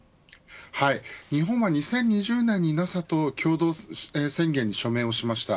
日本は２０２０年にＮＡＳＡと共同宣言に署名しました。